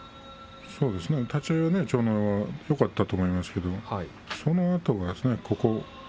立ち合いは千代ノ皇よかったと思いますけれどそのあとが。